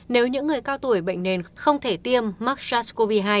nếu những người cao tuổi bệnh nền không thể tiêm mắc sars cov hai